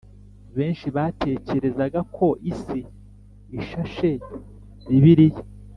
benshi batekerezaga ko isi ishashe bibiliya